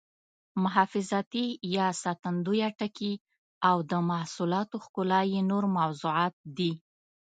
حفاظتي یا ساتندویه ټکي او د محصولاتو ښکلا یې نور موضوعات دي.